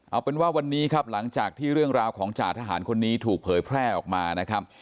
เอาเป็นว่าวันนี้ครับหลังจากที่เรื่องราวของจ่าทหารคนนี้ถูกเผยแพร่ออกมานะครับ